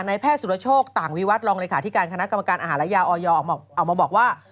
แพทย์สุรโชคต่างวิวัตรรองเลขาธิการคณะกรรมการอาหารและยาออยออกมาบอกว่า